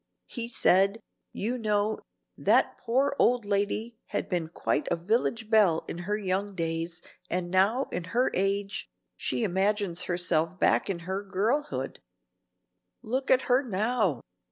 He said, you know, that the poor old lady had been quite a village belle in her young days, and now, in her age, she imagines herself back in her girlhood. Look at her now."